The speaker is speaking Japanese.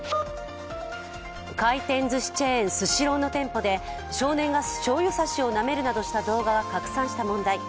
回転ずしチェーン、スシローの店舗で少年がしょうゆ差しをなめるなどした動画が拡散した問題。